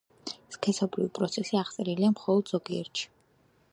სქესობრივი პროცესი აღწერილია მხოლოდ ზოგიერთში.